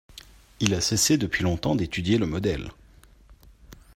Il a cessé depuis longtemps d'étudier le modèle.